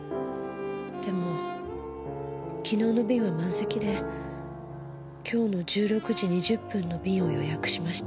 でも昨日の便は満席で今日の１６時２０分の便を予約しました。